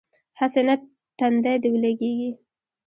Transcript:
هسې نه تندی دې ولګېږي.